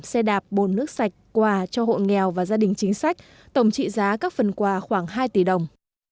một xe đạp bồn nước sạch quà cho hộ nghèo và gia đình chính sách tổng trị giá các phần quà khoảng hai tỷ đồng